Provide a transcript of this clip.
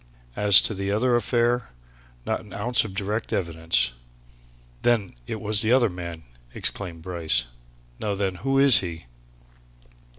As to the other affair not an ounce of direct evidence!" "Then it was the other man!" exclaimed Bryce. "Now then, who is he?"